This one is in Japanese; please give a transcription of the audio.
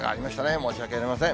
申し訳ありません。